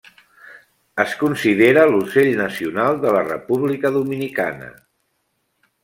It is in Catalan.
Es considera l'ocell nacional de la República Dominicana.